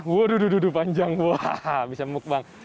waduh panjang bisa mungk bang